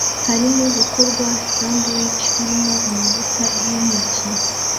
Harimo gukorwa sandwich irimo amavuta yintoki